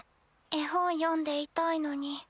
絵本読んでいたいのに。